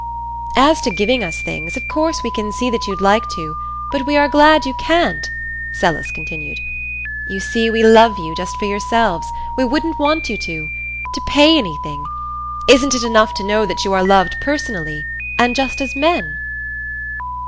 "As to giving us things of course we can see that you'd like to, but we are glad you can't," Celis continued. "You see, we love you just for yourselves we wouldn't want you to to pay anything. Isn't it enough to know that you are loved personally and just as men?"